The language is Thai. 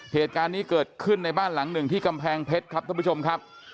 เหตุการณ์นี้เกิดขึ้นในบ้านหลังหนึ่งที่กำแพงเพชรครับท่านผู้ชมครับ